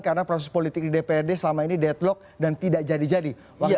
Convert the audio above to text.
karena proses politik di dprd selama ini deadlock dan tidak jadi jadi